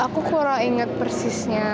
aku kurang inget persisnya